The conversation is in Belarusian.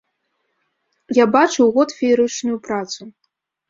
Я бачыў год феерычную працу.